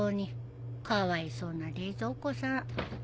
かわいそうな冷蔵庫さん。